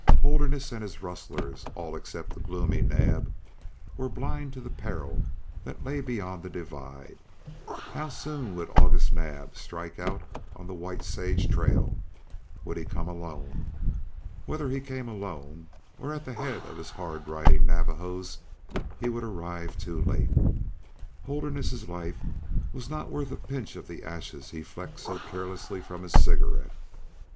Holderness and his rustlers, all except the gloomy Naab, were blind to the peril that lay beyond the divide. How soon would August Naab strike out on the White Sage trail? Would he come alone? Whether he came alone or at the head of his hard riding Navajos he would arrive too late. Holderness's life was not worth a pinch of the ashes he flecked so carelessly from his cigarette.